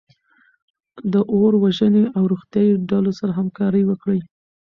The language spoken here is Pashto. د اور وژنې او روغتیایي ډلو سره همکاري وکړئ.